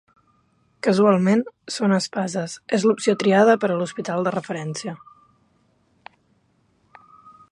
Casualment, Son Espases és l'opció triada per a l'hospital de referència.